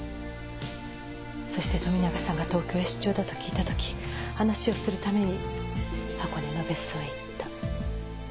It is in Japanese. そして富永さんが東京へ出張だと聞いたとき話をするために箱根の別荘へ行った。